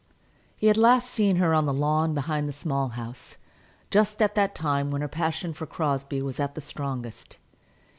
He had last seen her on the lawn behind the Small House, just at that time when her passion for Crosbie was at the strongest.